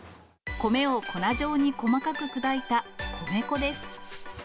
米を粉状に細かく砕いた米粉です。